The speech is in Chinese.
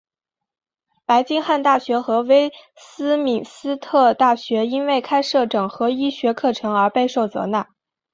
白金汉大学和威斯敏斯特大学因为开设整合医学课程而备受责难。